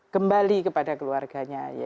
kembali kepada keluarganya